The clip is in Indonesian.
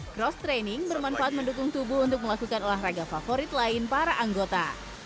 cross training bermanfaat mendukung tubuh untuk melakukan olahraga favorit lain para anggota